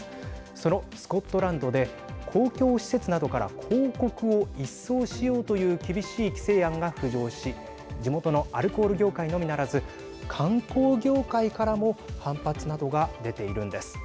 そのスコットランドで公共施設などから広告を一掃しようという厳しい規制案が浮上し地元のアルコール業界のみならず観光業界からも反発などが出ているんです。